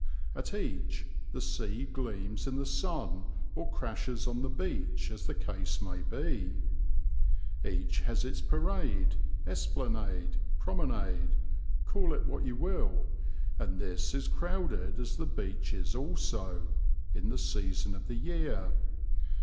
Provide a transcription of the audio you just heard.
At each the sea gleams in the sun or crashes on the beach as the case may be. Each has its parade, esplanade, promenade, call it what you will; and this is crowded, as the beach is also, in the season of the year.